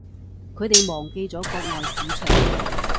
佢哋忘記咗國外市場